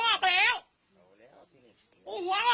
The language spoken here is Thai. นี่รถไหม